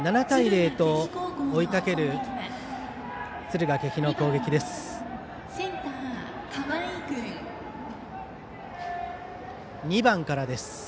７対０と追いかける敦賀気比の攻撃です。